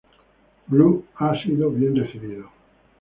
Blue" ha sido bien recibido.